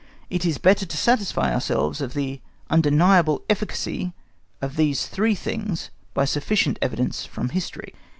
It is better to satisfy ourselves of the undeniable efficacy of these three things by sufficient evidence from history.